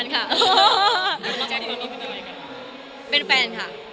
ชัดเจนแล้ว